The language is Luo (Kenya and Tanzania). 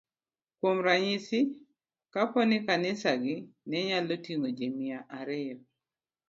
Kuom ranyisi, kapo ni kanisagi ne nyalo ting'o ji mia ariyo,